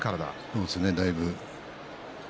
そうですね、だいぶ。